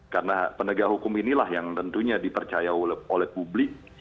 karena penegak hukum inilah yang tentunya dipercaya oleh publik